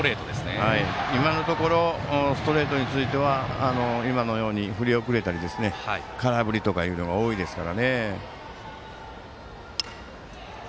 今のところストレートについては今のように振り遅れたり空振りとかが多いですからね。